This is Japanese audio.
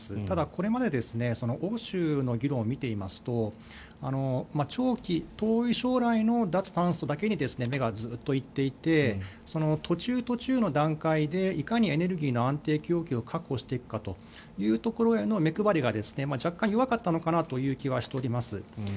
ただこれまで欧州の議論を見ていますと遠い将来の脱炭素だけに目がずっと行っていて途中途中の段階でいかにエネルギー源の供給を確保していくかというところへの目配りが若干弱かったのかなという気はしております。